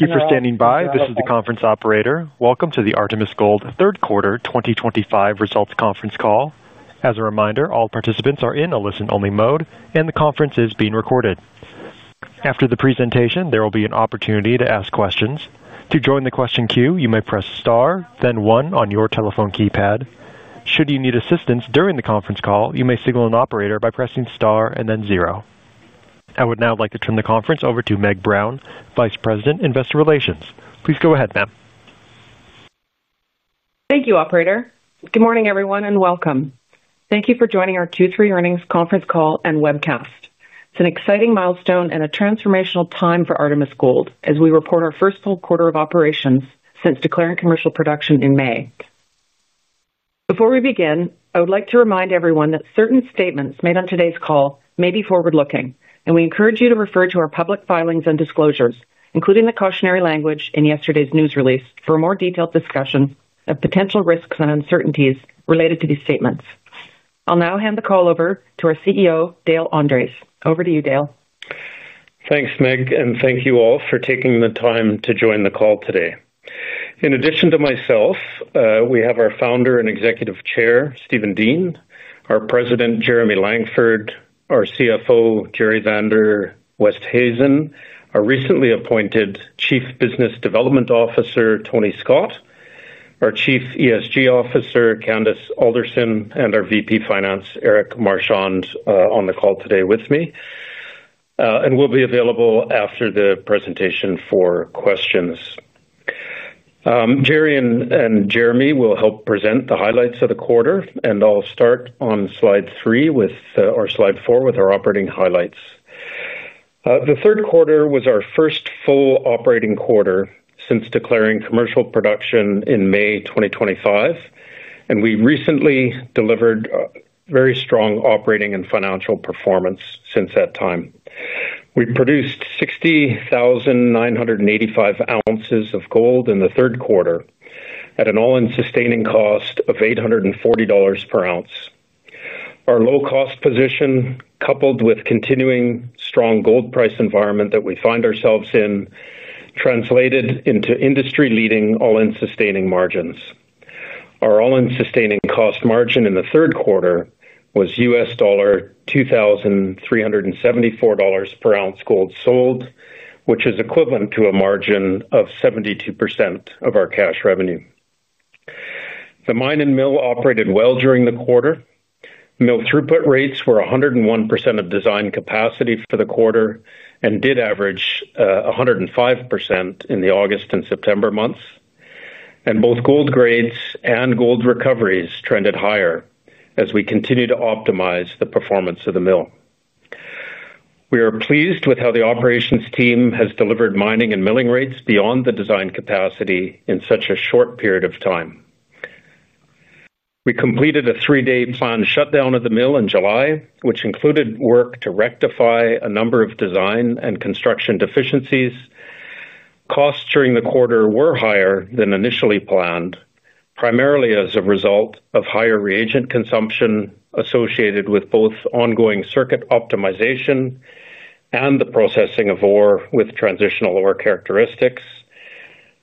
Thank you for standing by. This is the conference operator. Welcome to the Artemis Gold third quarter 2025 results conference call. As a reminder, all participants are in a listen-only mode, and the conference is being recorded. After the presentation, there will be an opportunity to ask questions. To join the question queue, you may press star, then one on your telephone keypad. Should you need assistance during the conference call, you may signal an operator by pressing star and then zero. I would now like to turn the conference over to Meg Brown, Vice President, Investor Relations. Please go ahead, Meg. Thank you, operator. Good morning, everyone, and welcome. Thank you for joining our Q3 earnings conference call and webcast. It's an exciting milestone and a transformational time for Artemis Gold as we report our first full quarter of operations since declaring commercial production in May. Before we begin, I would like to remind everyone that certain statements made on today's call may be forward-looking, and we encourage you to refer to our public filings and disclosures, including the cautionary language in yesterday's news release, for a more detailed discussion of potential risks and uncertainties related to these statements. I'll now hand the call over to our CEO, Dale Andres. Over to you, Dale. Thanks, Meg, and thank you all for taking the time to join the call today. In addition to myself, we have our Founder and Executive Chair, Steven Dean, our President, Jeremy Langford, our CFO, Gerrie van der Westhuizen, our recently appointed Chief Business Development Officer, Tony Scott, our Chief ESG Officer, Candace Alderson, and our VP Finance, Erik Marchand, on the call today with me. We'll be available after the presentation for questions. Gerrie and Jeremy will help present the highlights of the quarter, and I'll start on slide three with our slide four with our operating highlights. The third quarter was our first full operating quarter since declaring commercial production in May 2024, and we recently delivered very strong operating and financial performance since that time. We produced 60,985 ounces of gold in the third quarter at an all-in sustaining cost of $840 per ounce. Our low-cost position, coupled with continuing strong gold price environment that we find ourselves in, translated into industry-leading all-in sustaining margins. Our all-in sustaining cost margin in the third quarter was $2,374 per ounce gold sold, which is equivalent to a margin of 72% of our cash revenue. The mine and mill operated well during the quarter. Mill throughput rates were 101% of design capacity for the quarter and did average 105% in the August and September months. Both gold grades and gold recoveries trended higher as we continue to optimize the performance of the mill. We are pleased with how the operations team has delivered mining and milling rates beyond the design capacity in such a short period of time. We completed a three-day planned shutdown of the mill in July, which included work to rectify a number of design and construction deficiencies. Costs during the quarter were higher than initially planned, primarily as a result of higher reagent consumption associated with both ongoing circuit optimization and the processing of ore with transitional ore characteristics,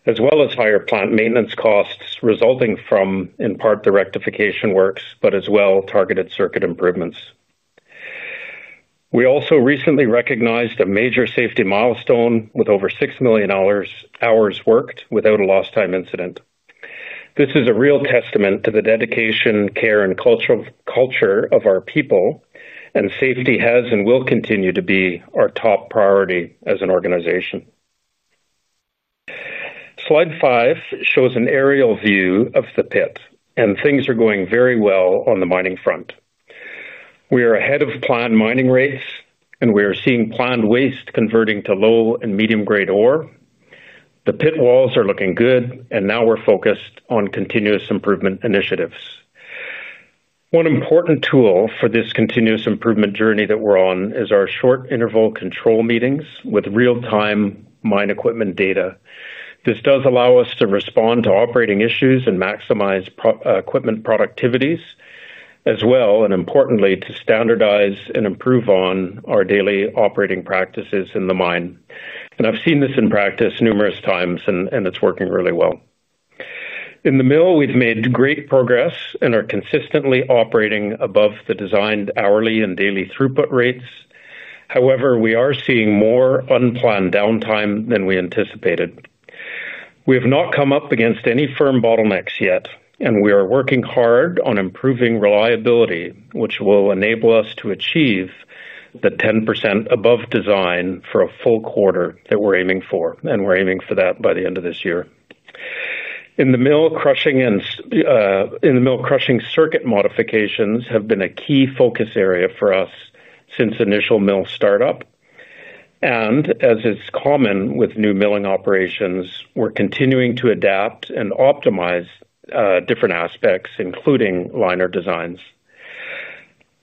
as well as higher plant maintenance costs resulting from, in part, the rectification works, but as well targeted circuit improvements. We also recently recognized a major safety milestone with over 6 million. Hours worked without a lost-time incident. This is a real testament to the dedication, care, and culture of our people. And safety has and will continue to be our top priority as an organization. Slide five shows an aerial view of the pit, and things are going very well on the mining front. We are ahead of planned mining rates, and we are seeing planned waste converting to low and medium-grade ore. The pit walls are looking good, and now we're focused on continuous improvement initiatives. One important tool for this continuous improvement journey that we're on is our short-interval control meetings with real-time mine equipment data. This does allow us to respond to operating issues and maximize equipment productivities, as well, and importantly, to standardize and improve on our daily operating practices in the mine. And I've seen this in practice numerous times, and it's working really well. In the mill, we've made great progress and are consistently operating above the designed hourly and daily throughput rates. However, we are seeing more unplanned downtime than we anticipated. We have not come up against any firm bottlenecks yet, and we are working hard on improving reliability, which will enable us to achieve the 10% above design for a full quarter that we're aiming for, and we're aiming for that by the end of this year. In the mill, crushing. Circuit modifications have been a key focus area for us since initial mill startup. And as is common with new milling operations, we're continuing to adapt and optimize different aspects, including liner designs.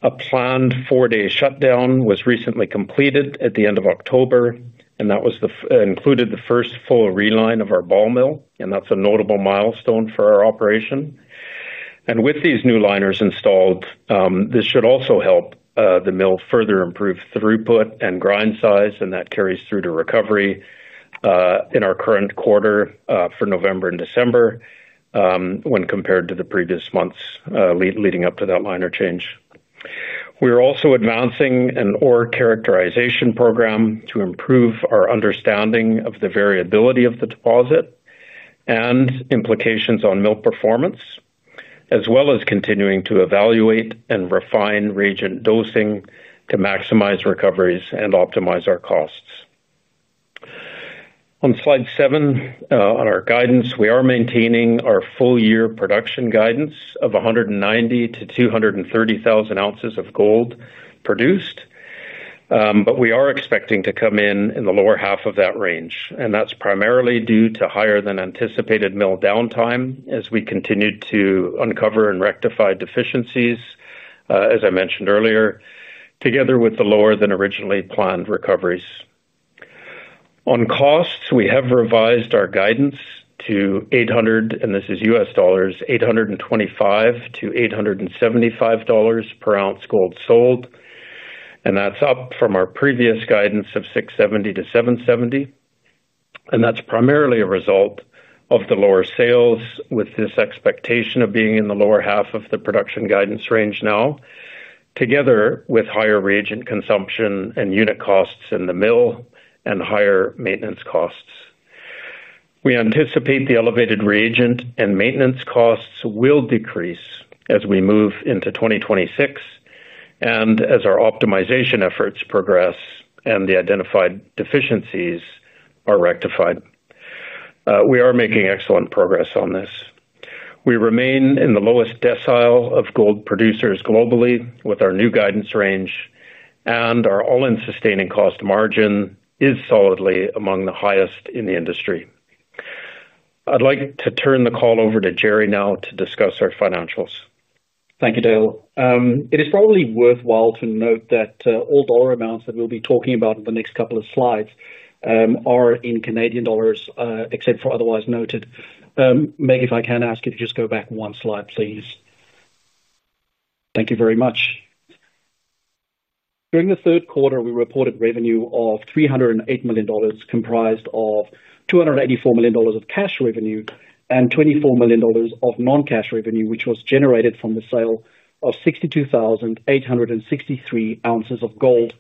A planned four-day shutdown was recently completed at the end of October, and that included the first full reline of our ball mill, and that's a notable milestone for our operation. And with these new liners installed, this should also help the mill further improve throughput and grind size, and that carries through to recovery. In our current quarter for November and December. When compared to the previous months leading up to that liner change. We are also advancing an ore characterization program to improve our understanding of the variability of the deposit and implications on mill performance, as well as continuing to evaluate and refine reagent dosing to maximize recoveries and optimize our costs. On slide seven, on our guidance, we are maintaining our full-year production guidance of 190,000-230,000 ounces of gold produced. But we are expecting to come in in the lower half of that range, and that's primarily due to higher-than-anticipated mill downtime as we continue to uncover and rectify deficiencies, as I mentioned earlier, together with the lower-than-originally-planned recoveries. On costs, we have revised our guidance to 800, and this is $825-$875 per ounce gold sold. And that's up from our previous guidance of $670-$770. And that's primarily a result of the lower sales, with this expectation of being in the lower half of the production guidance range now, together with higher reagent consumption and unit costs in the mill and higher maintenance costs. We anticipate the elevated reagent and maintenance costs will decrease as we move into 2026. And as our optimization efforts progress and the identified deficiencies are rectified. We are making excellent progress on this. We remain in the lowest decile of gold producers globally with our new guidance range, and our all-in sustaining cost margin is solidly among the highest in the industry. I'd like to turn the call over to Gerrie now to discuss our financials. Thank you, Dale. It is probably worthwhile to note that all dollar amounts that we'll be talking about in the next couple of slides. Are in Canadian dollars, except for otherwise noted. Meg, if I can ask you to just go back one slide, please. Thank you very much. During the third quarter, we reported revenue of 308 million dollars, comprised of 284 million dollars of cash revenue and 24 million dollars of non-cash revenue, which was generated from the sale of 62,863 ounces of gold.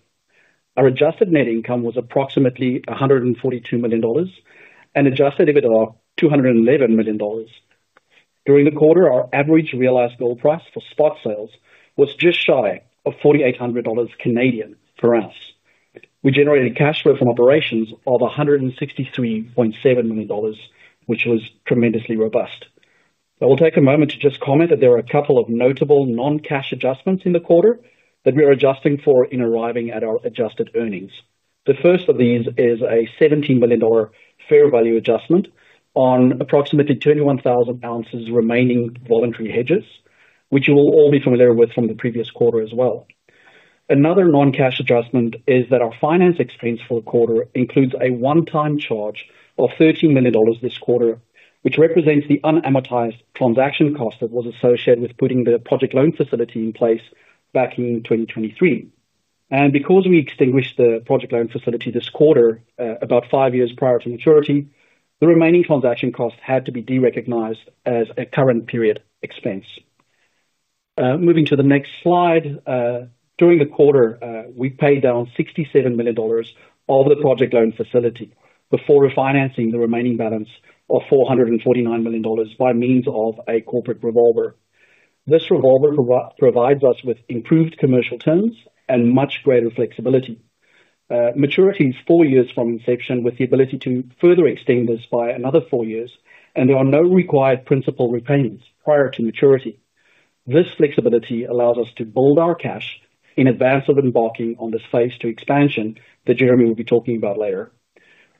Our adjusted net income was approximately 142 million dollars, and adjusted it at 211 million dollars. During the quarter, our average realized gold price for spot sales was just shy of 4,800 Canadian dollars Canadian for us. We generated cash flow from operations of 163.7 million dollars, which was tremendously robust. I will take a moment to just comment that there are a couple of notable non-cash adjustments in the quarter that we are adjusting for in arriving at our adjusted earnings. The first of these is a 17 million dollar fair value adjustment on approximately 21,000 ounces remaining voluntary hedges, which you will all be familiar with from the previous quarter as well. Another non-cash adjustment is that our finance expense for the quarter includes a one-time charge of 13 million dollars this quarter, which represents the unamortized transaction cost that was associated with putting the project loan facility in place back in 2023. And because we extinguished the project loan facility this quarter about five years prior to maturity, the remaining transaction cost had to be derecognized as a current period expense. Moving to the next slide, during the quarter, we paid down 67 million dollars of the project loan facility before refinancing the remaining balance of 449 million dollars by means of a corporate revolver. This revolver provides us with improved commercial terms and much greater flexibility. Maturity is four years from inception, with the ability to further extend this by another four years, and there are no required principal repayments prior to maturity. This flexibility allows us to build our cash in advance of embarking on this phase II expansion that Jeremy will be talking about later.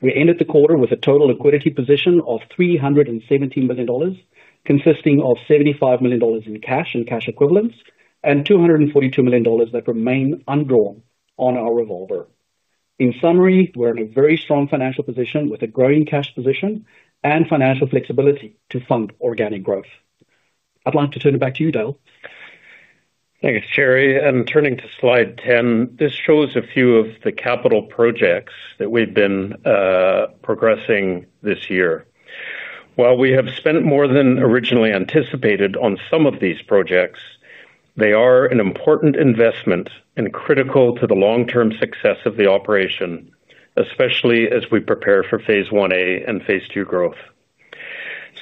We ended the quarter with a total liquidity position of 317 million dollars, consisting of 75 million dollars in cash and cash equivalents, and 242 million dollars that remain undrawn on our revolver. In summary, we're in a very strong financial position with a growing cash position and financial flexibility to fund organic growth. I'd like to turn it back to you, Dale. Thanks, Gerrie. And turning to slide 10, this shows a few of the capital projects that we've been. Progressing this year. While we have spent more than originally anticipated on some of these projects, they are an important investment and critical to the long-term success of the operation, especially as we prepare for phase I-A and phase II growth.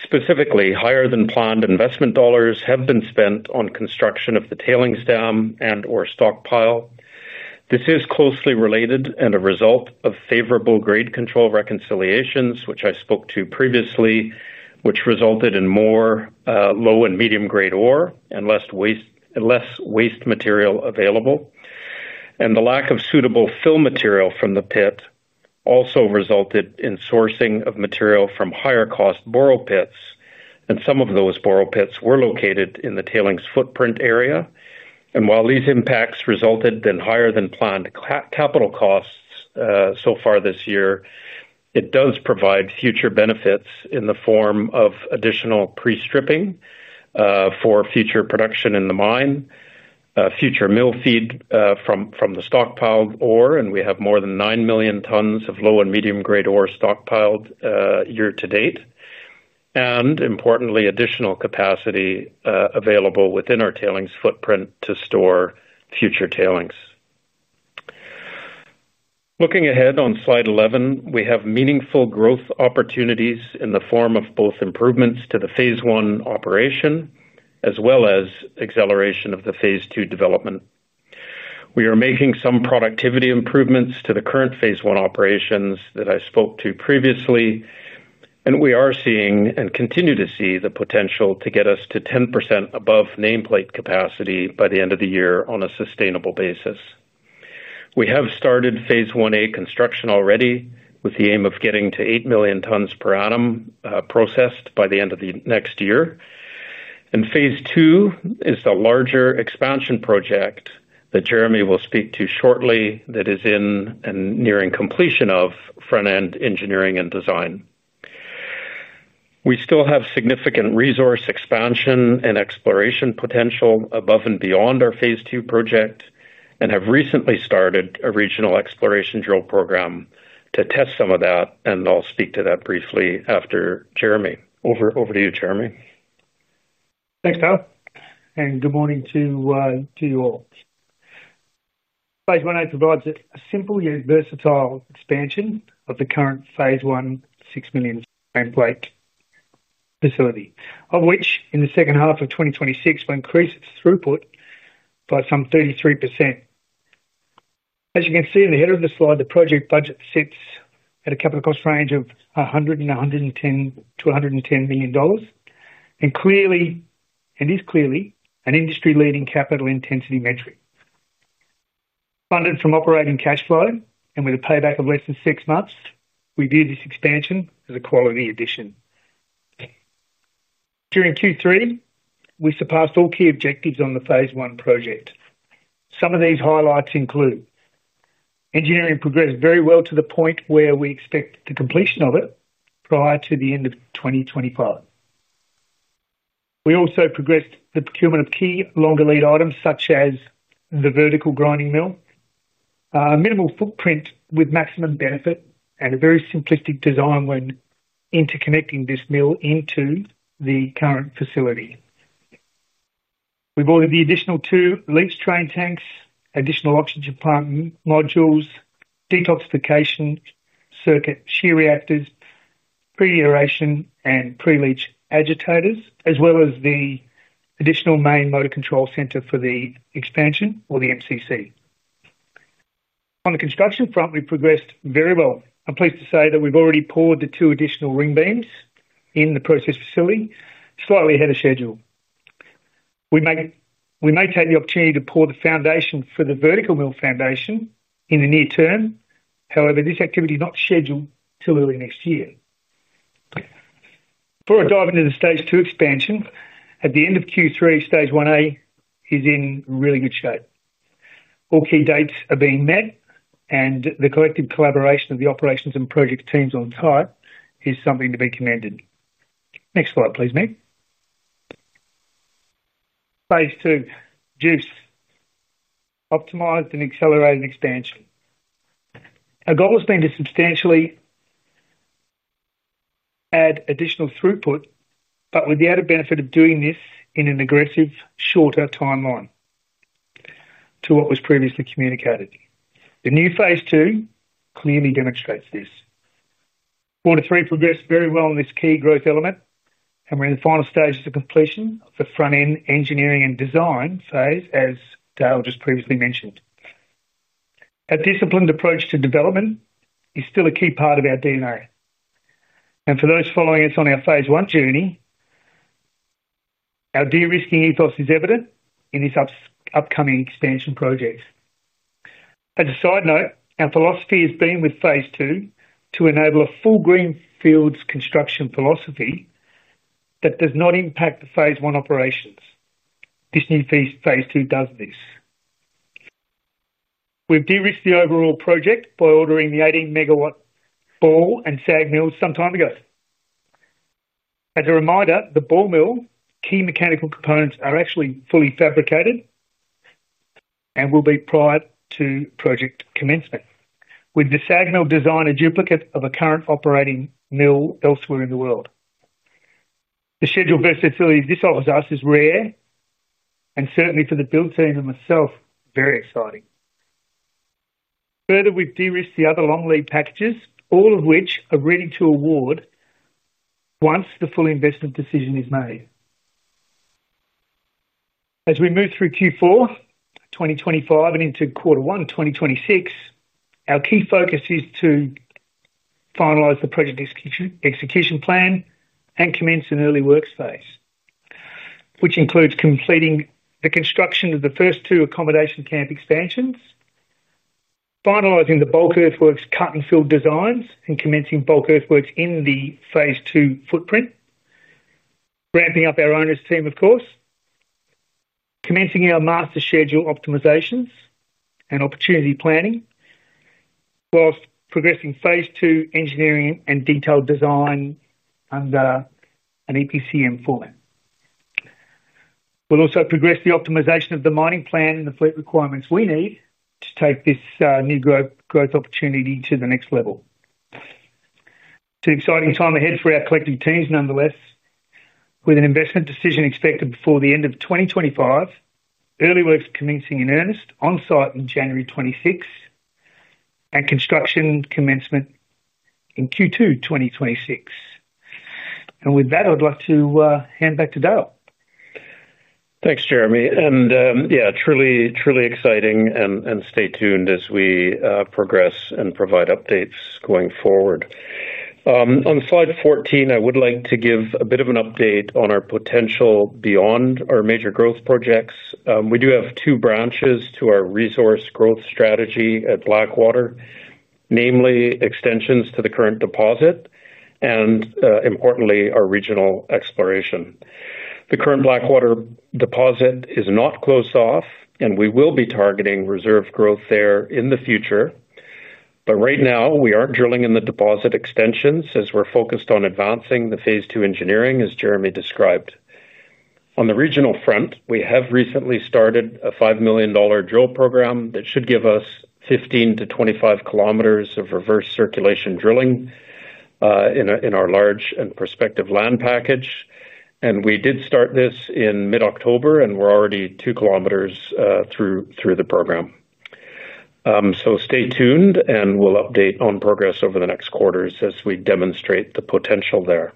Specifically, higher-than-planned investment dollars have been spent on construction of the tailings dam and/or stockpile. This is closely related and a result of favorable grade control reconciliations, which I spoke to previously, which resulted in more low and medium-grade ore and less. Waste material available. And the lack of suitable fill material from the pit also resulted in sourcing of material from higher-cost borrow pits, and some of those borrow pits were located in the tailings footprint area. And while these impacts resulted in higher-than-planned capital costs so far this year, it does provide future benefits in the form of additional pre-stripping. For future production in the mine, future mill feed from the stockpiled ore, and we have more than 9 million tons of low and medium-grade ore stockpiled year to date. And importantly, additional capacity available within our tailings footprint to store future tailings. Looking ahead on slide 11, we have meaningful growth opportunities in the form of both improvements to the phase I operation as well as acceleration of the phase II development. We are making some productivity improvements to the current phase one operations that I spoke to previously. And we are seeing and continue to see the potential to get us to 10% above nameplate capacity by the end of the year on a sustainable basis. We have started phase I-A construction already with the aim of getting to 8 million tons per annum processed by the end of the next year. And phase II is the larger expansion project that Jeremy will speak to shortly that is in and nearing completion of front-end engineering and design. We still have significant resource expansion and exploration potential above and beyond our phase II project and have recently started a regional exploration drill program to test some of that, and I'll speak to that briefly after Jeremy. Over to you, Jeremy. Thanks, Dale. And good morning to you all. Phase I-A provides a simple yet versatile expansion of the current phase I, 6 million nameplate. Facility, of which in the second half of 2026 will increase its throughput. By some 33%. As you can see in the head of the slide, the project budget sits at a capital cost range of 100 milion-CAD 110 million. And is clearly an industry-leading capital intensity metric. Funded from operating cash flow and with a payback of less than six months, we view this expansion as a quality addition. During Q3, we surpassed all key objectives on the phase I project. Some of these highlights include. Engineering progressed very well to the point where we expect the completion of it prior to the end of 2025. We also progressed the procurement of key longer lead items such as the vertical grinding mill. Minimal footprint with maximum benefit, and a very simplistic design when interconnecting this mill into the current facility. We bought the additional two leach train tanks, additional oxygen plant modules, detoxification circuit shear reactors, pre-aeration, and pre-leach agitators, as well as the additional main motor control center for the expansion, or the MCC. On the construction front, we progressed very well. I'm pleased to say that we've already poured the two additional ring beams in the process facility, slightly ahead of schedule. We may take the opportunity to pour the foundation for the vertical mill foundation in the near term. However, this activity is not scheduled till early next year. Before I dive into the stage two expansion, at the end of Q3, stage I-A is in really good shape. All key dates are being met, and the collective collaboration of the operations and project teams on site is something to be commended. Next slide, please, Meg. Phase II, juice. Optimized and accelerated expansion. Our goal has been to substantially. Add additional throughput, but with the added benefit of doing this in an aggressive, shorter timeline. To what was previously communicated. The new phase II clearly demonstrates this. Quarter three progressed very well in this key growth element, and we're in the final stages of completion of the front-end engineering and design phase, as Dale just previously mentioned. A disciplined approach to development is still a key part of our DNA. And for those following us on our phase I journey, our de-risking ethos is evident in this upcoming expansion project. As a side note, our philosophy has been with phase II to enable a full greenfields construction philosophy that does not impact the phase I operations. This new phase II does this. We've de-risked the overall project by ordering the 18-megawatt ball and sag mills some time ago. As a reminder, the ball mill, key mechanical components are actually fully fabricated. And will be prior to project commencement, with the sag mill design a duplicate of a current operating mill elsewhere in the world. The schedule versatility this offers us is rare. And certainly for the build team and myself, very exciting. Further, we've de-risked the other long lead packages, all of which are ready to award. Once the full investment decision is made. As we move through Q4 2025 and into quarter one 2026, our key focus is to. Finalize the project execution plan and commence an early workspace. Which includes completing the construction of the first two accommodation camp expansions, finalizing the bulk earthworks cut and fill designs, and commencing bulk earthworks in the phase II footprint. Ramping up our owners' team, of course. Commencing our master schedule optimizations and opportunity planning. Whilst progressing phase II engineering and detailed design. Under an EPCM format. We'll also progress the optimization of the mining plan and the fleet requirements we need to take this new growth opportunity to the next level. It's an exciting time ahead for our collective teams, nonetheless. With an investment decision expected before the end of 2025. Early works commencing in earnest on site on January 26. And construction commencement. In Q2 2026. And with that, I'd like to hand back to Dale. Thanks, Jeremy. And yeah, truly, truly exciting, and stay tuned as we progress and provide updates going forward. On slide 14, I would like to give a bit of an update on our potential beyond our major growth projects. We do have two branches to our resource growth strategy at Blackwater, namely extensions to the current deposit and, importantly, our regional exploration. The current Blackwater deposit is not closed off, and we will be targeting reserve growth there in the future. But right now, we aren't drilling in the deposit extensions as we're focused on advancing the phase II engineering, as Jeremy described. On the regional front, we have recently started a 5 million dollar drill program that should give us 15-25 kilometers of reverse circulation drilling. In our large and prospective land package. And we did start this in mid-October, and we're already two kilometers through the program. So stay tuned, and we'll update on progress over the next quarters as we demonstrate the potential there.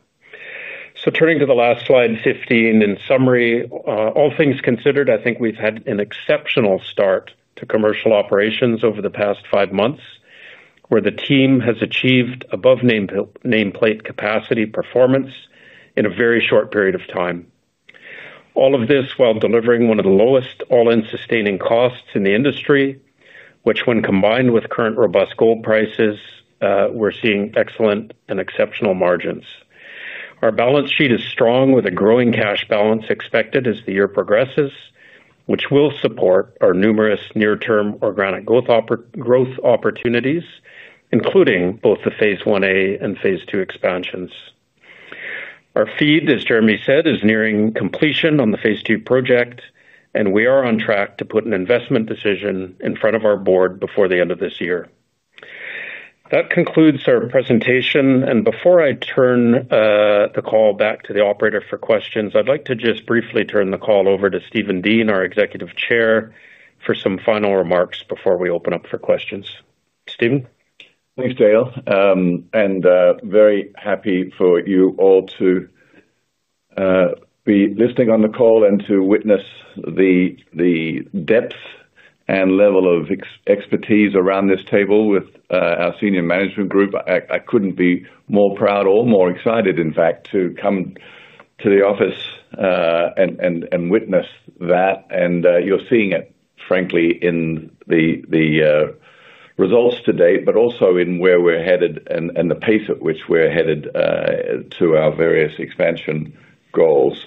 So turning to the last slide, 15, in summary, all things considered, I think we've had an exceptional start to commercial operations over the past five months, where the team has achieved above nameplate capacity performance in a very short period of time. All of this while delivering one of the lowest all-in sustaining costs in the industry, which, when combined with current robust gold prices, we're seeing excellent and exceptional margins. Our balance sheet is strong, with a growing cash balance expected as the year progresses, which will support our numerous near-term organic growth opportunities, including both the phase I-A and phase II expansions. Our feed, as Jeremy said, is nearing completion on the phase two project, and we are on track to put an investment decision in front of our Board before the end of this year. That concludes our presentation. And before I turn. The call back to the operator for questions, I'd like to just briefly turn the call over to Steven Dean, our Executive Chair, for some final remarks before we open up for questions. Steven. Thanks, Dale. And very happy for you all to. Be listening on the call and to witness the. Depth and level of expertise around this table with our senior management group. I couldn't be more proud or more excited, in fact, to come to the office. And witness that. And you're seeing it, frankly, in the. Results to date, but also in where we're headed and the pace at which we're headed to our various expansion goals.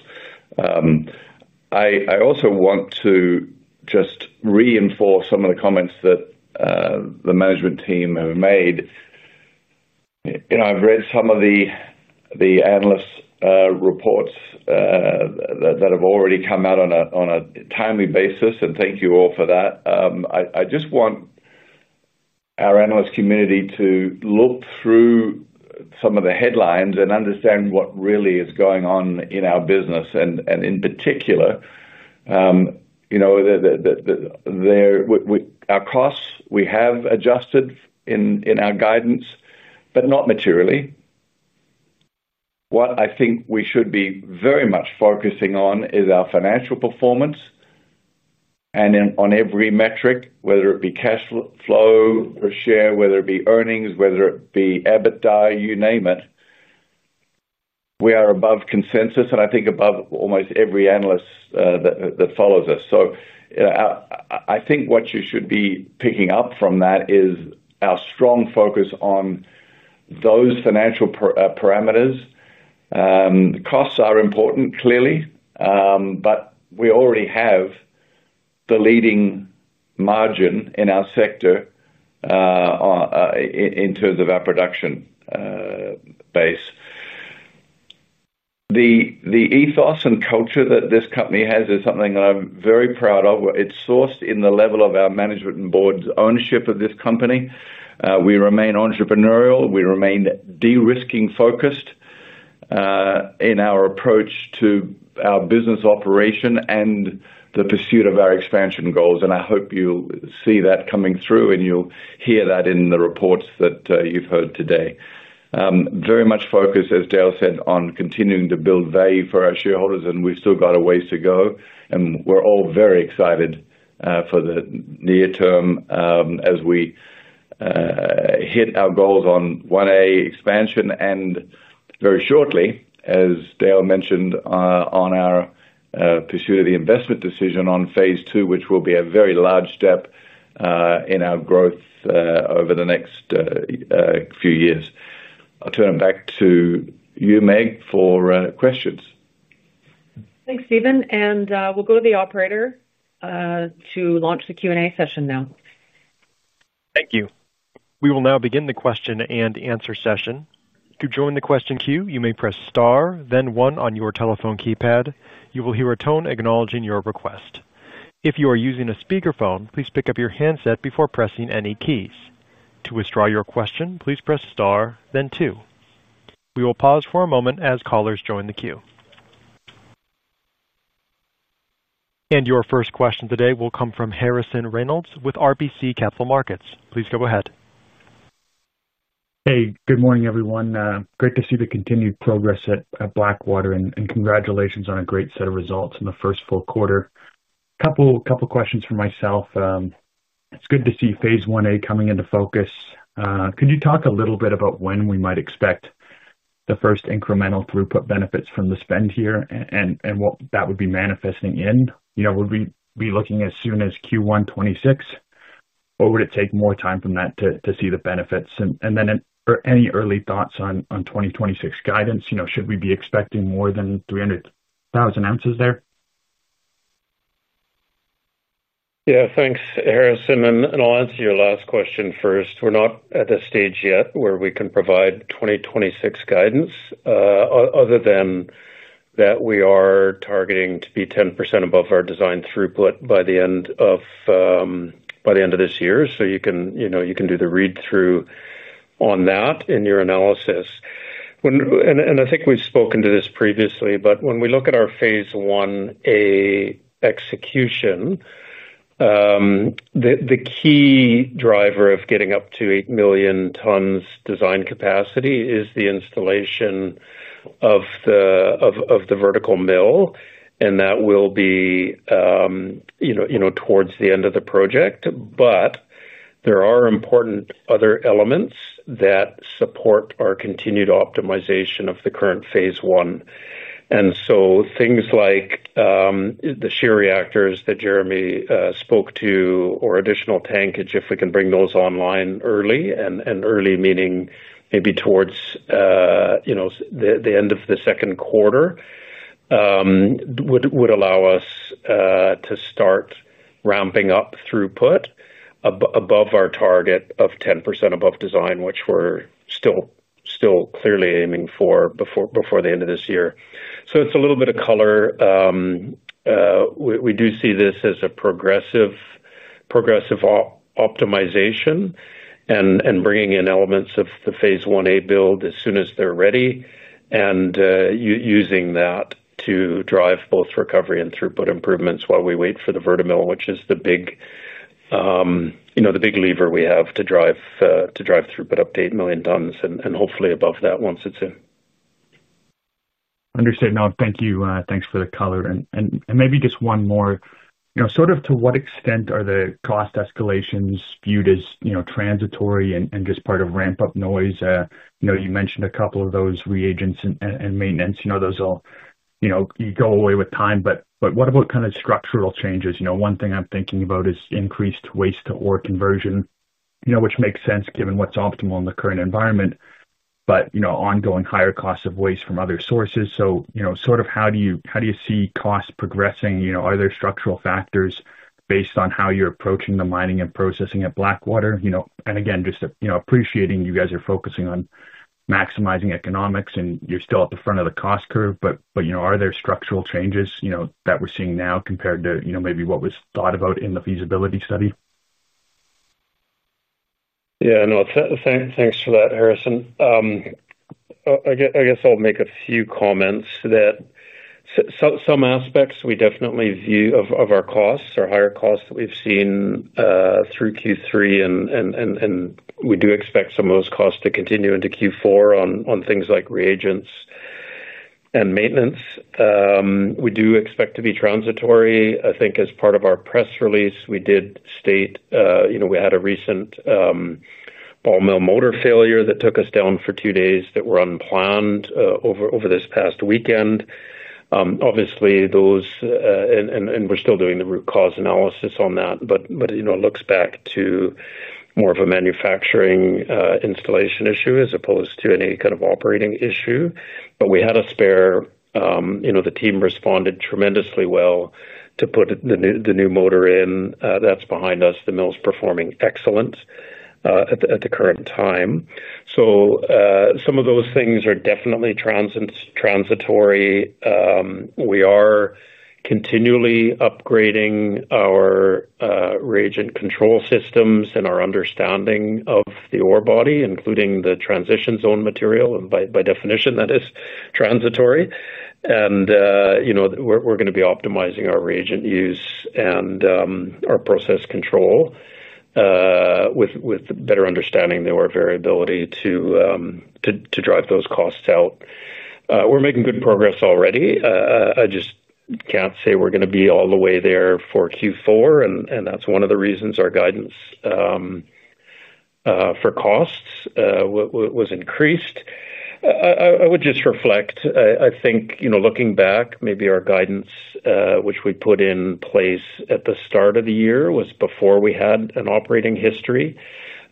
I also want to just reinforce some of the comments that. The management team have made. I've read some of the. Analyst reports. That have already come out on a timely basis, and thank you all for that. I just want. Our analyst community to look through. Some of the headlines and understand what really is going on in our business. And in particular. Our costs, we have adjusted in our guidance, but not materially. What I think we should be very much focusing on is our financial performance. And on every metric, whether it be cash flow per share, whether it be earnings, whether it be EBITDA, you name it. We are above consensus, and I think above almost every analyst that follows us. So. I think what you should be picking up from that is our strong focus on. Those financial parameters. Costs are important, clearly. But we already have. The leading margin in our sector. In terms of our production. Base. The ethos and culture that this company has is something that I'm very proud of. It's sourced in the level of our management and board's ownership of this company. We remain entrepreneurial. We remain de-risking focused. In our approach to our business operation and the pursuit of our expansion goals. And I hope you'll see that coming through, and you'll hear that in the reports that you've heard today. Very much focused, as Dale said, on continuing to build value for our shareholders, and we've still got a ways to go. And we're all very excited for the near term as we. Hit our goals on I-A expansion. And very shortly, as Dale mentioned, on our pursuit of the investment decision on phase two, which will be a very large step in our growth over the next. Few years. I'll turn it back to. You, Meg, for questions. Thanks, Steven. And we'll go to the operator. To launch the Q&A session now. Thank you. We will now begin the question and answer session. To join the question queue, you may press star, then one on your telephone keypad. You will hear a tone acknowledging your request. If you are using a speakerphone, please pick up your handset before pressing any keys. To withdraw your question, please press star, then two. We will pause for a moment as callers join the queue. And your first question today will come from Harrison Reynolds with RBC Capital Markets. Please go ahead. Hey, good morning, everyone. Great to see the continued progress at Blackwater, and congratulations on a great set of results in the first full quarter. Couple of questions for myself. It's good to see phase I-A coming into focus. Could you talk a little bit about when we might expect the first incremental throughput benefits from the spend here and what that would be manifesting in? Would we be looking as soon as Q1 2026? Or would it take more time from that to see the benefits? And then any early thoughts on 2026 guidance? Should we be expecting more than 300,000 ounces there? Yeah, thanks, Harrison. And I'll answer your last question first. We're not at the stage yet where we can provide 2026 guidance. Other than that, we are targeting to be 10% above our design throughput by the end of. This year. So you can do the read-through. On that in your analysis. And I think we've spoken to this previously, but when we look at our phase I-A execution. The key driver of getting up to 8 million tons design capacity is the installation of the. Vertical mill. And that will be. Towards the end of the project. But. There are important other elements that support our continued optimization of the current phase one. And so things like. The shear reactors that Jeremy spoke to, or additional tankage, if we can bring those online early, and early meaning maybe towards. The end of the second quarter. Would allow us to start. Ramping up throughput. Above our target of 10% above design, which we're still clearly aiming for before the end of this year. So it's a little bit of color. We do see this as a progressive. Optimization and bringing in elements of the phase I-A build as soon as they're ready, and. Using that to drive both recovery and throughput improvements while we wait for the vertimill, which is the big. Leaver we have to drive. Throughput up to 8 million tons, and hopefully above that once it's in. Understood. No, thank you. Thanks for the color. And maybe just one more. Sort of to what extent are the cost escalations viewed as transitory and just part of ramp-up noise? You mentioned a couple of those reagents and maintenance. Those all. Go away with time. But what about kind of structural changes? One thing I'm thinking about is increased waste to ore conversion, which makes sense given what's optimal in the current environment, but ongoing higher costs of waste from other sources. So sort of how do you see costs progressing? Are there structural factors based on how you're approaching the mining and processing at Blackwater? And again, just appreciating you guys are focusing on maximizing economics, and you're still at the front of the cost curve, but are there structural changes that we're seeing now compared to maybe what was thought about in the feasibility study? Yeah, no, thanks for that, Harrison. I guess I'll make a few comments that. Some aspects we definitely view of our costs, our higher costs that we've seen. Through Q3, and we do expect some of those costs to continue into Q4 on things like reagents. And maintenance. We do expect to be transitory. I think as part of our press release, we did state we had a recent. Ball mill motor failure that took us down for two days that were unplanned over this past weekend. Obviously, those. And we're still doing the root cause analysis on that. But it looks back to. More of a manufacturing installation issue as opposed to any kind of operating issue. But we had a spare. The team responded tremendously well to put the new motor in. That's behind us. The mill's performing excellent. At the current time. So some of those things are definitely transitory. We are. Continually upgrading our. Reagent control systems and our understanding of the ore body, including the transition zone material. And by definition, that is transitory. And. We're going to be optimizing our reagent use and our process control. With better understanding of the ore variability to. Drive those costs out. We're making good progress already. I just can't say we're going to be all the way there for Q4, and that's one of the reasons our guidance. For costs was increased. I would just reflect. I think looking back, maybe our guidance, which we put in place at the start of the year, was before we had an operating history.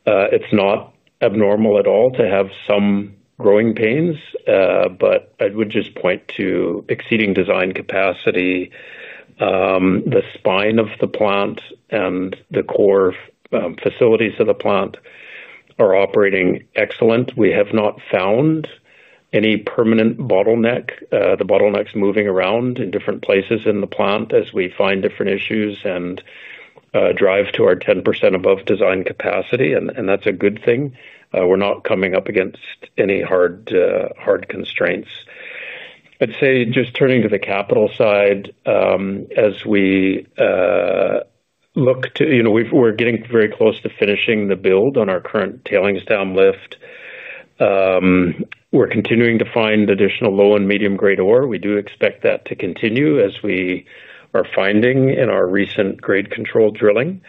It's not abnormal at all to have some growing pains, but I would just point to exceeding design capacity. The spine of the plant and the core facilities of the plant. Are operating excellent. We have not found. Any permanent bottleneck. The bottleneck's moving around in different places in the plant as we find different issues and. Drive to our 10% above design capacity. And that's a good thing. We're not coming up against any hard. Constraints. I'd say just turning to the capital side, as we. Look to. We're getting very close to finishing the build on our current tailings downlift. We're continuing to find additional low and medium-grade ore. We do expect that to continue as we are finding in our recent grade control drilling.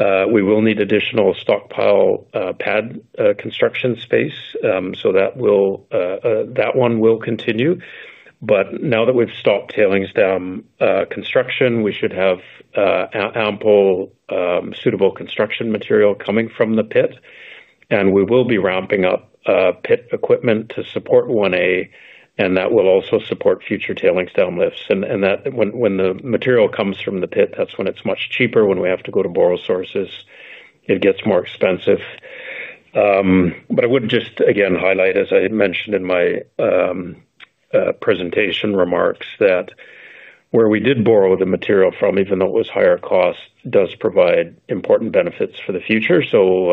We will need additional stockpile pad construction space. So that. One will continue. But now that we've stopped tailings down construction, we should have. Ample, suitable construction material coming from the pit. And we will be ramping up pit equipment to support I-A, and that will also support future tailings downlifts. And when the material comes from the pit, that's when it's much cheaper. When we have to go to borrow sources, it gets more expensive. But I would just, again, highlight, as I mentioned in my. Presentation remarks, that. Where we did borrow the material from, even though it was higher cost, does provide important benefits for the future. So.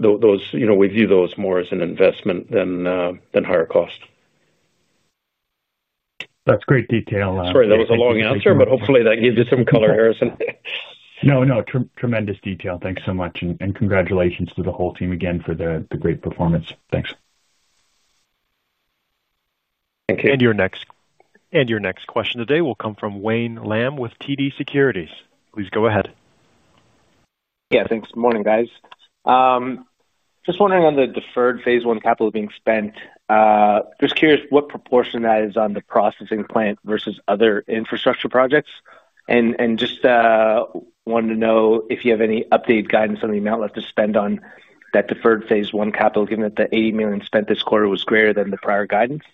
We view those more as an investment than higher cost. That's great detail. Sorry, that was a long answer, but hopefully that gives you some color, Harrison. No, no, tremendous detail. Thanks so much. And congratulations to the whole team again for the great performance. Thanks. Thank you. And your next question today will come from Wayne Lam with TD Securities. Please go ahead. Yeah, thanks. Morning, guys. Just wondering on the deferred phase one capital being spent. Just curious what proportion that is on the processing plant versus other infrastructure projects. And just. Wanted to know if you have any update guidance on the amount left to spend on that deferred phase one capital, given that the 80 million spent this quarter was greater than the prior guidance.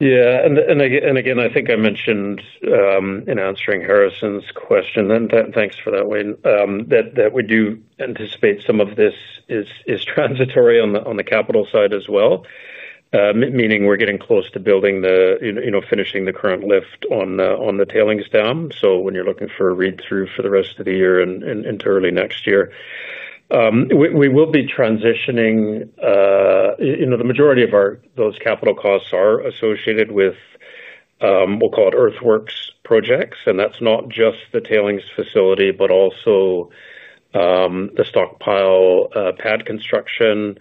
Yeah. And again, I think I mentioned. In answering Harrison's question, and thanks for that, Wayne, that we do anticipate some of this is transitory on the capital side as well. Meaning we're getting close to building the. Finishing the current lift on the tailings down. So when you're looking for a read-through for the rest of the year and into early next year. We will be transitioning. The majority of those capital costs are associated with. We'll call it earthworks projects. And that's not just the tailings facility, but also. The stockpile pad construction.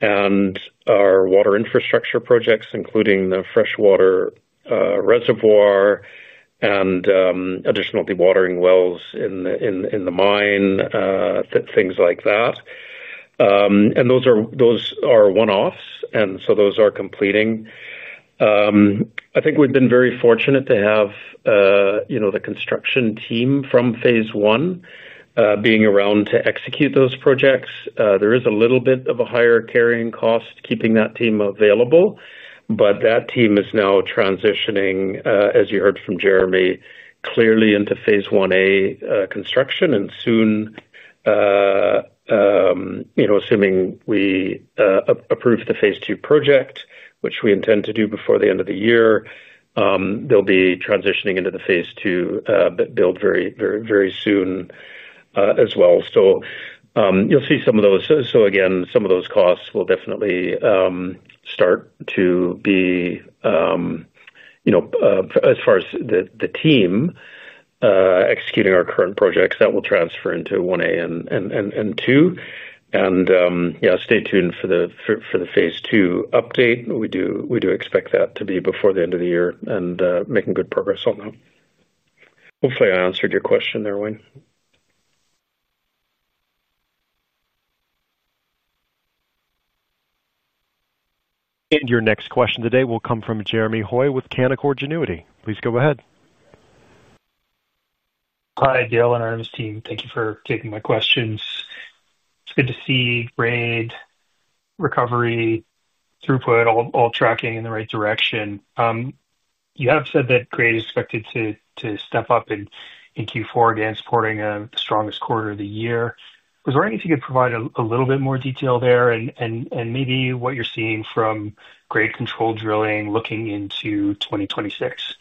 And our water infrastructure projects, including the freshwater. Reservoir. And additionally watering wells in the mine. Things like that. And those are one-offs. And so those are completing. I think we've been very fortunate to have. The construction team from phase I. Being around to execute those projects. There is a little bit of a higher carrying cost keeping that team available. But that team is now transitioning, as you heard from Jeremy, clearly into phase I-A construction. And soon. Assuming we. Approve the phase two project, which we intend to do before the end of the year. They'll be transitioning into the phase II. Build very soon. As well. So you'll see some of those. So again, some of those costs will definitely. Start to be. As far as the team. Executing our current projects, that will transfer into I-A and II. And yeah, stay tuned for the phase II update. We do expect that to be before the end of the year. And making good progress on that. Hopefully, I answered your question there, Wayne. And your next question today will come from Jeremy Hoy with Canaccord Genuity. Please go ahead. Hi, Dale and our name is Team. Thank you for taking my questions. It's good to see grade, recovery, throughput, all tracking in the right direction. You have said that grade is expected to step up in Q4 again, supporting the strongest quarter of the year. Was there anything you could provide a little bit more detail there and maybe what you're seeing from grade control drilling looking into 2026?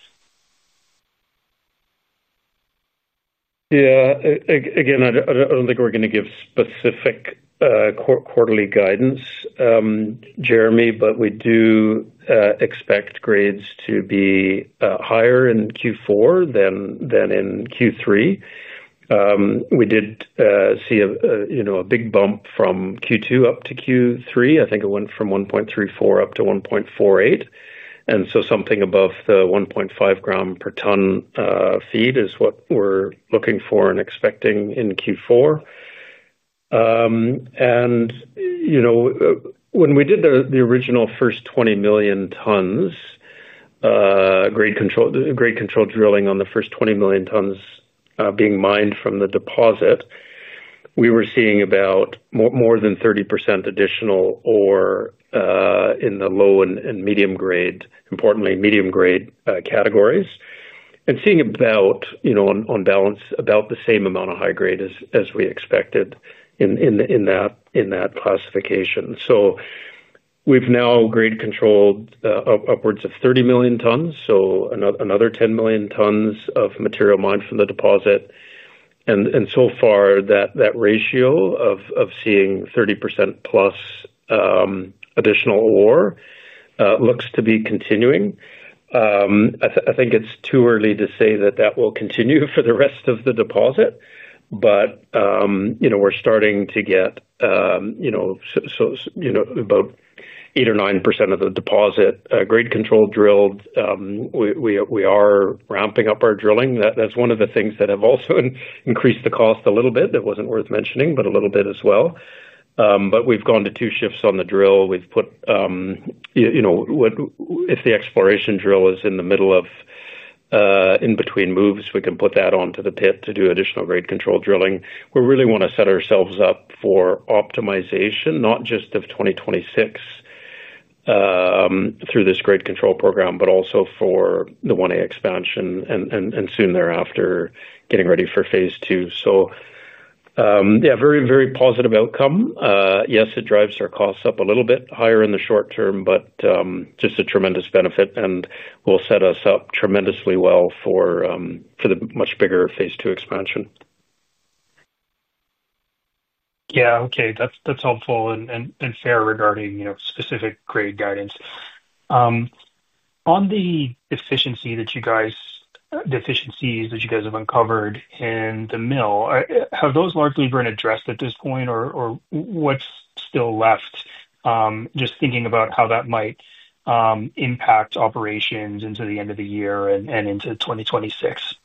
Yeah. Again, I don't think we're going to give specific. Quarterly guidance. Jeremy, but we do. Expect grades to be higher in Q4 than in Q3. We did see a big bump from Q2 up to Q3. I think it went from 1.34 up to 1.48. And so something above the 1.5 gram per ton feed is what we're looking for and expecting in Q4. And. When we did the original first 20 million tons. Grade control drilling on the first 20 million tons being mined from the deposit, we were seeing about more than 30% additional ore. In the low and medium grade, importantly medium grade categories. And seeing about. On balance, about the same amount of high grade as we expected in that. Classification. So we've now grade controlled upwards of 30 million tons. So another 10 million tons of material mined from the deposit. And so far, that ratio of seeing 30%+. Additional ore. Looks to be continuing. I think it's too early to say that that will continue for the rest of the deposit. But. We're starting to get. About 8% or 9% of the deposit grade control drilled. We are ramping up our drilling. That's one of the things that have also increased the cost a little bit. That wasn't worth mentioning, but a little bit as well. But we've gone to two shifts on the drill. We've put. If the exploration drill is in the middle of. In-between moves, we can put that onto the pit to do additional grade control drilling. We really want to set ourselves up for optimization, not just of 2026. Through this grade control program, but also for the I-A expansion and soon thereafter getting ready for phase II. So. Yeah, very, very positive outcome. Yes, it drives our costs up a little bit higher in the short term, but just a tremendous benefit. And will set us up tremendously well for. The much bigger phase II expansion. Yeah. Okay. That's helpful and fair regarding specific grade guidance. On the efficiency that you guys. That you guys have uncovered in the mill, have those largely been addressed at this point? Or what's still left, just thinking about how that might. Impact operations into the end of the year and into 2026?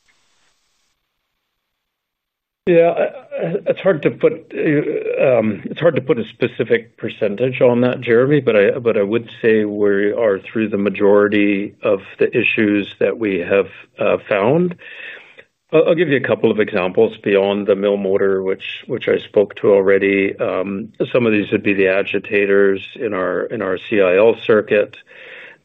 Yeah. It's hard to put. It's hard to put a specific percentage on that, Jeremy, but I would say we are through the majority of the issues that we have found. I'll give you a couple of examples beyond the mill motor, which I spoke to already. Some of these would be the agitators in our CIL circuit.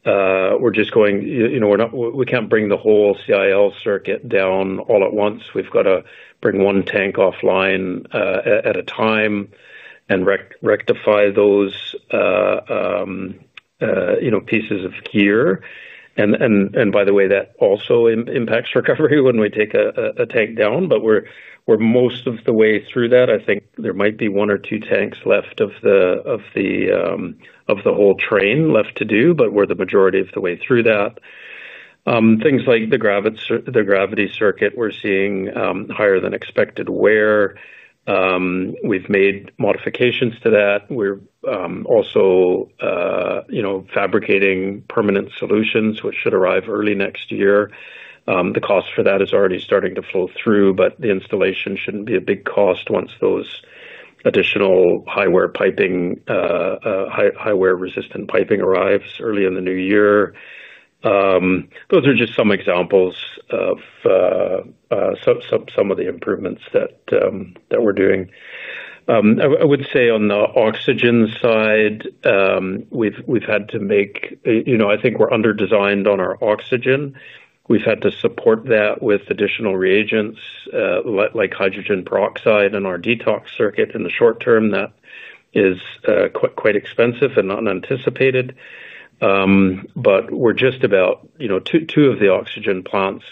We're just going—we can't bring the whole CIL circuit down all at once. We've got to bring one tank offline. At a time and rectify those. Pieces of gear. And by the way, that also impacts recovery when we take a tank down. But we're most of the way through that. I think there might be one or two tanks left of the. Whole train left to do, but we're the majority of the way through that. Things like the gravity circuit, we're seeing higher than expected wear. We've made modifications to that. We're also. Fabricating permanent solutions, which should arrive early next year. The cost for that is already starting to flow through, but the installation shouldn't be a big cost once those additional high-wear resistant piping arrives early in the new year. Those are just some examples of. Some of the improvements that. We're doing. I would say on the oxygen side, we've had to make—I think we're under-designed on our oxygen. We've had to support that with additional reagents. Like hydrogen peroxide in our detox circuit in the short term. That is quite expensive and unanticipated. But we're just about— Two of the oxygen plants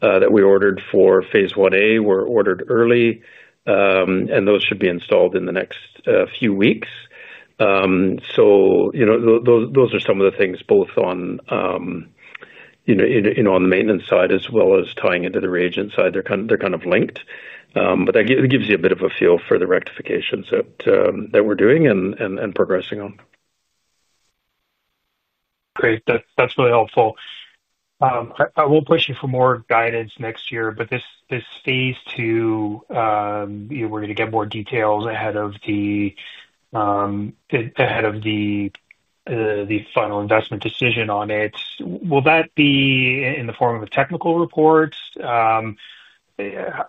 that we ordered for phase I-A were ordered early. And those should be installed in the next few weeks. So. Those are some of the things both on. The maintenance side as well as tying into the reagent side. They're kind of linked. But it gives you a bit of a feel for the rectifications that we're doing and progressing on. Great. That's really helpful. I will push you for more guidance next year, but this phase two. We're going to get more details ahead of the. Final investment decision on it. Will that be in the form of a technical report? And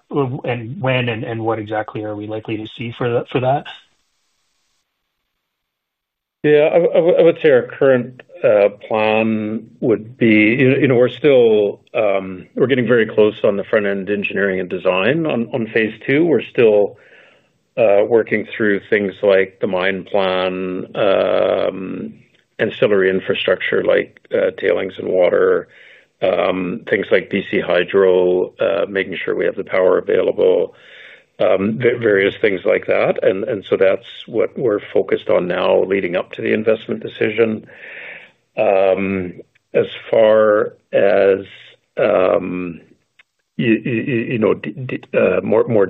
when and what exactly are we likely to see for that? Yeah. I would say our current. Plan would be— We're getting very close on the front-end engineering and design on phase two. We're still. Working through things like the mine plan. Ancillary infrastructure like tailings and water, things like DC hydro, making sure we have the power available. Various things like that. And so that's what we're focused on now leading up to the investment decision. As far as. More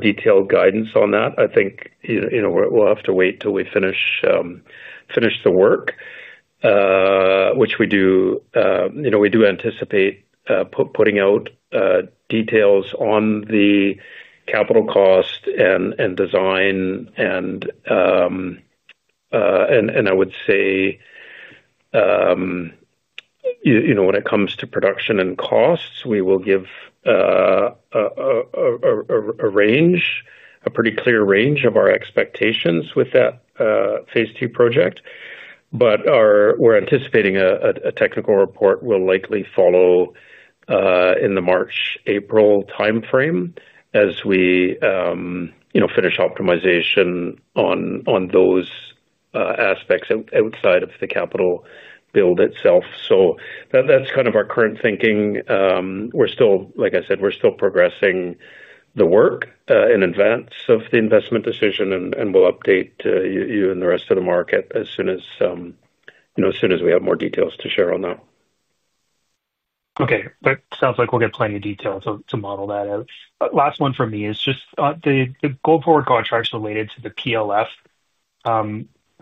detailed guidance on that, I think. We'll have to wait till we finish. The work. Which we do— We do anticipate putting out. Details on the. Capital cost and design. And. I would say. When it comes to production and costs, we will give. A range, a pretty clear range of our expectations with that. Phase II project. But we're anticipating a technical report will likely follow. In the March-April timeframe as we. Finish optimization on those. Aspects outside of the capital. Build itself. So that's kind of our current thinking. We're still, like I said, we're still progressing the work in advance of the investment decision. And we'll update you and the rest of the market as soon as. We have more details to share on that. Okay. That sounds like we'll get plenty of detail to model that out. Last one for me is just the gold forward contracts related to the PLF.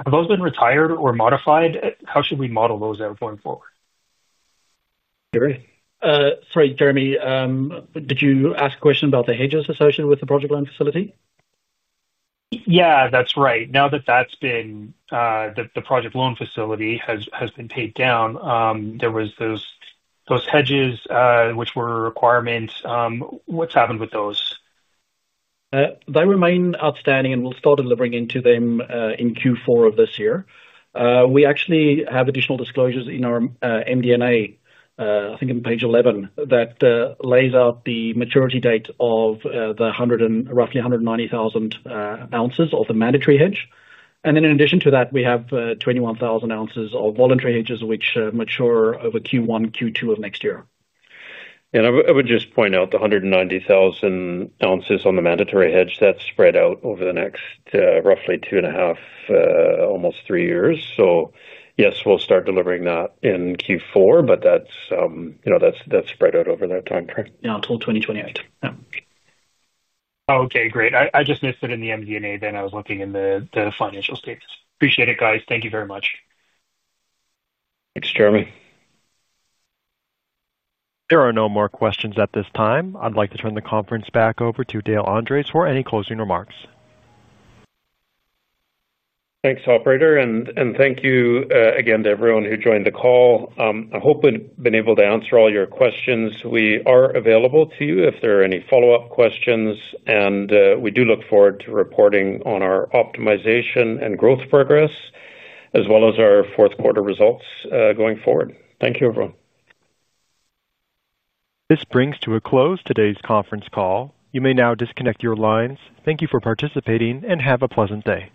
Have those been retired or modified? How should we model those out going forward? Sorry, Jeremy. Did you ask a question about the hedges associated with the project loan facility? Yeah, that's right. Now that that's been. The project loan facility has been paid down, there were those hedges which were a requirement. What's happened with those? They remain outstanding, and we'll start delivering into them in Q4 of this year. We actually have additional disclosures in our MD&A, I think on page 11, that lays out the maturity date of the roughly 190,000 ounces of the mandatory hedge. And then in addition to that, we have 21,000 ounces of voluntary hedges which mature over Q1, Q2 of next year. And I would just point out the 190,000 ounces on the mandatory hedge, that's spread out over the next roughly two and a half, almost three years. So yes, we'll start delivering that in Q4, but that's. Spread out over that timeframe. Yeah, until 2028. Yeah. Okay, great. I just missed it in the MD&A then. I was looking in the financial statements. Appreciate it, guys. Thank you very much. Thanks, Jeremy. There are no more questions at this time. I'd like to turn the conference back over to Dale Andres for any closing remarks. Thanks, operator. And thank you again to everyone who joined the call. I hope we've been able to answer all your questions. We are available to you if there are any follow-up questions. And we do look forward to reporting on our optimization and growth progress, as well as our fourth quarter results going forward. Thank you, everyone. This brings to a close today's conference call. You may now disconnect your lines. Thank you for participating and have a pleasant day.